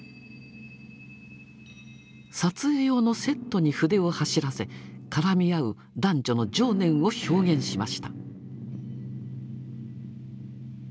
撮影用のセットに筆を走らせ絡み合う男女の情念を表現しました。